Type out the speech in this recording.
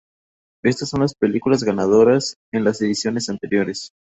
Estas son las películas ganadoras en las ediciones anteriores.